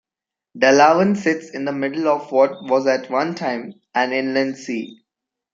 Delavan sits in the middle of what was at one time an inland sea.